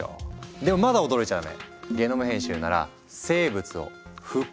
でもまだ驚いちゃダメ。